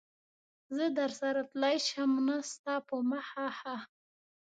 زه درسره تللای شم؟ نه، ستا په مخه ښه.